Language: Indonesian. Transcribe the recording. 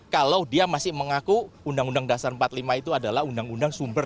kalau dia masih mengaku undang undang dasar empat puluh lima itu adalah undang undang sumber